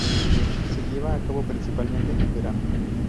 Se lleva a cabo principalmente en verano.